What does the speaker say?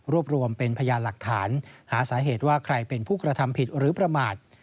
รวมรวมเป็นพยานหลักฐานหาสาเหตุว่าใครเป็นผู้กระทำผิดหรือประมาท